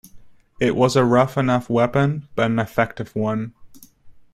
It was a rough enough weapon, but an effective one.